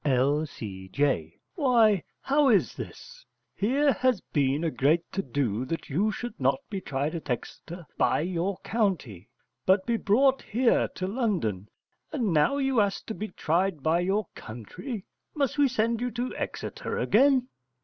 L.C.J. Why, how is this? Here has been a great to do that you should not be tried at Exeter by your country, but be brought here to London, and now you ask to be tried by your country. Must we send you to Exeter again?